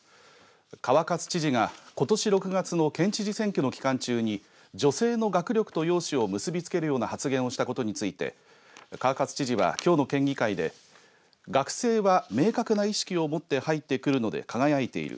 川勝知事が、ことし６月の県知事選挙の期間中に女性の学力と容姿を結びつけるような発言をしたことについて川勝知事は、きょうの県議会で学生は明確な意識を持って入ってくるので輝いている。